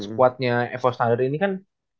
squadnya fo standard ini kan